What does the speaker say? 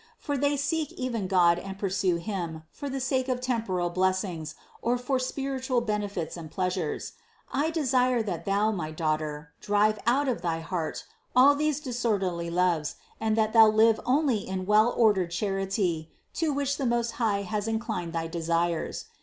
For they seek even God and pursue Him, for the sake of temporal blessings, or for spiritual benefits and pleasures. I de sire that thou, my daughter, drive out of thy heart all these disorderly loves, and that thou live only in well ordered charity, to which the Most High has inclined thy desires.